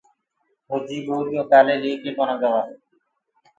ڦوجيٚ ٻورِيونٚ ڪآلي ليڪي ڪونآ گوآ